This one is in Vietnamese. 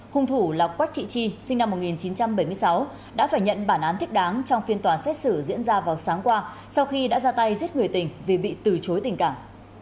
hung thủ là quách thị chi sinh năm một nghìn chín trăm bảy mươi sáu đã phải nhận bản án thích đáng trong phiên tòa xét xử diễn ra vào sáng qua sau khi đã ra tay giết người tình vì bị từ chối tình cảm